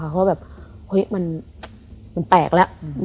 เพราะแบบเฮ้ยมันแปลกแล้ว